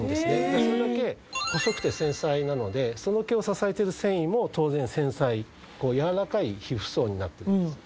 だからそれだけ細くて繊細なのでその毛を支えている繊維も当然繊細やわらかい皮膚層になってるんです。